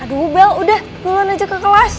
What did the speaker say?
aduh guel udah duluan aja ke kelas